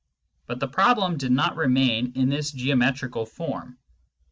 But the problem did not remain in this geometrical form.